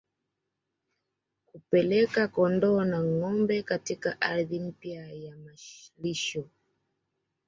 Kupeleka kondoo na ngombe katika ardhi mpya ya malisho